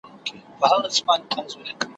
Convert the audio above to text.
جهاني دلته یو رنګي ده د کېمیا په بیه ,